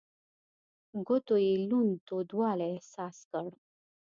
ګوتو يې لوند تودوالی احساس کړ.